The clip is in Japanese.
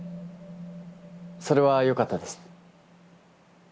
それはよかったです。